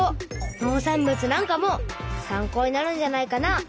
農産物なんかも参考になるんじゃないかな。